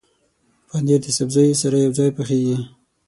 پنېر د سبزیو سره یوځای پخېږي.